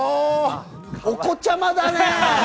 お子ちゃまだね。